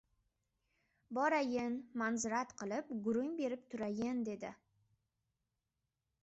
"Borayin, manzirat qilib, gurung berib turayin, — dedi.